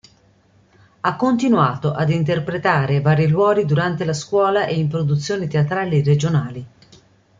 Ha continuato ad interpretare vari ruoli durante la scuola e in produzioni teatrali regionali.